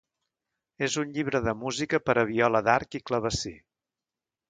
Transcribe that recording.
És un llibre de música per a viola d'arc i clavecí.